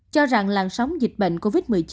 cho rằng làn sóng dịch bệnh covid một mươi chín